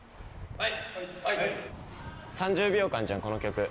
はい。